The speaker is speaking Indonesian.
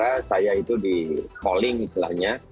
karena saya itu di calling istilahnya